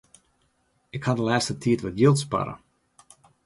Ik haw de lêste tiid wat jild sparre.